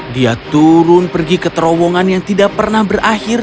dia turun pergi ke terowongan yang tidak pernah berakhir